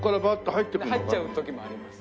入っちゃう時もあります。